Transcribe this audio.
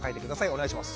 お願いします。